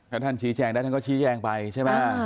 ถ้าท่านชี้แจงได้ท่านก็ชี้แจงไปใช่ไหม